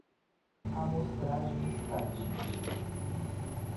Amostragem estatística